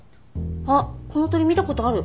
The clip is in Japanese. あっこの鳥見た事ある。